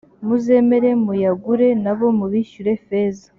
muzemere muyagure na bo mubishyure feza.